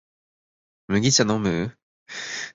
麦茶のむ？